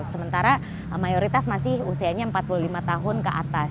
sementara mayoritas masih usianya empat puluh lima tahun ke atas